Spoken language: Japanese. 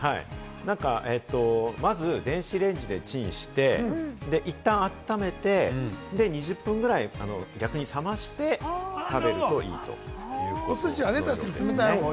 まず電子レンジでチンして、いったん温めて２０分くらい、冷まして、食べるといいということのようですね。